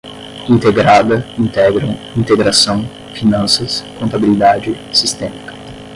integrada, integram, integração, finanças, contabilidade, sistémica